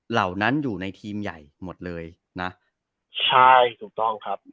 เหล่านั้นอยู่ในทีมใหญ่หมดเลยใช่ครับ